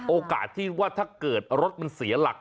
โอกาสที่ว่าถ้าเกิดรถมันเสียหลัก